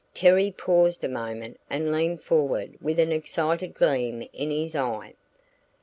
Terry paused a moment and leaned forward with an excited gleam in his eye.